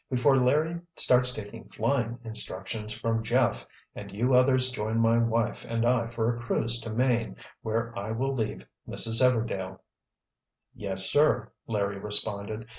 —before Larry starts taking flying instructions from Jeff and you others join my wife and I for a cruise to Maine where I will leave Mrs. Everdail." "Yes, sir," Larry responded.